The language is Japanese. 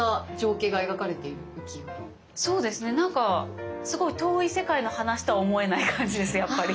そうですねすごい遠い世界の話とは思えない感じですやっぱり。